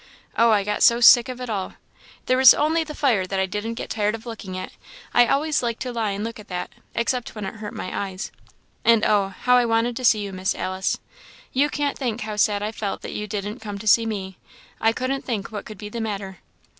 Oh! I got so sick of it all! There was only the fire that I didn't get tired of looking at; I always liked to lie and look at that, except when it hurt my eyes. And oh! how I wanted to see you, Miss Alice! You can't think how sad I felt that you didn't come to see me. I couldn't think what could be the matter."